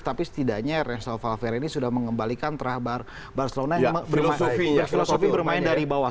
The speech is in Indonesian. tapi setidaknya renzo valverde ini sudah mengembalikan terah barcelona yang berfilosofi bermain dari bawah